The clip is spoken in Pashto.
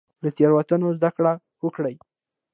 له تیروتنو زده کړه وکړئ